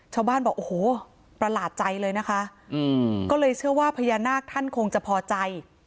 ชาวบ้านบอกโอ้โหประหลาดใจเลยนะคะก็เลยเชื่อว่าพญานาคท่านคงจะพอใจ